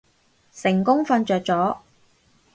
成功瞓着咗